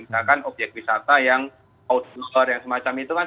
misalkan obyek wisata yang outdoor yang semacam itu kan